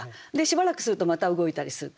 しばらくするとまた動いたりする。